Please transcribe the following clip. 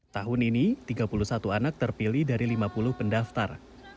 tahun ini tiga puluh satu anak terpilih dari lima puluh pendaftar